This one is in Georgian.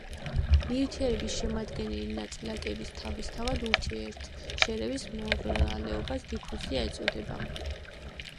ნივთიერების შემადგენელი ნაწილაკების თავისთავად ურთიერთშერევის მოვლებას დიფუზია ეწოდება.